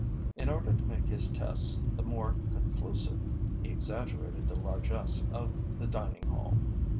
In order to make his tests the more conclusive, he exaggerated the largess of the dining hall.